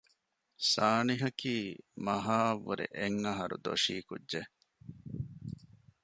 ސާނިހަކީ މަހާ އަށް ވުރެ އެއް އަހަރު ދޮށީ ކުއްޖެއް